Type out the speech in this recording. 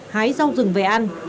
hái rau rừng về ăn